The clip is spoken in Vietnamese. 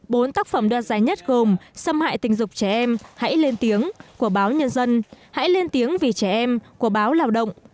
bốn tác phẩm đoạt giải nhất gồm xâm hại tình dục trẻ em hãy lên tiếng của báo nhân dân hãy lên tiếng vì trẻ em của báo lao động